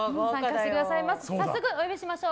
早速、お呼びしましょう。